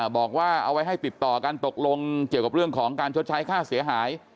บอกว่าเอาไว้ให้ติดต่อกันตกลงเกี่ยวกับเรื่องของการชดใช้ค่าเสียหาย